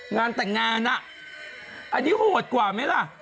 งานแต่งงานเราก็หวดกว่าไหมละ